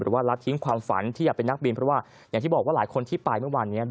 รัฐทิ้งความฝันที่อยากเป็นนักบินเพราะว่าอย่างที่บอกว่าหลายคนที่ไปเมื่อวานนี้